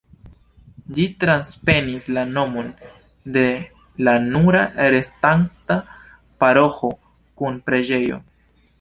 Ĝi transprenis la nomon de la nura restanta paroĥo kun preĝejo.